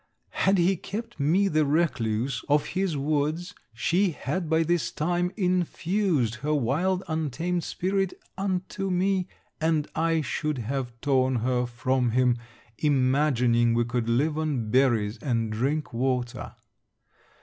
Had he kept me the recluse of his woods, she had by this time infused her wild untamed spirit unto me, and I should have torn her from him, imagining we could live on berries, and drink water.